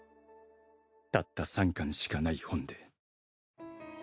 「たった３巻しかない本で」